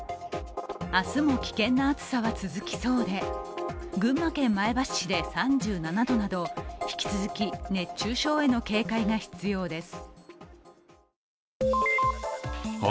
明日も危険な暑さは続きそうで群馬県前橋市で３７度など、引き続き熱中症への警戒が必要です。